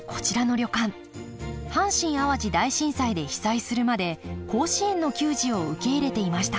阪神・淡路大震災で被災するまで甲子園の球児を受け入れていました。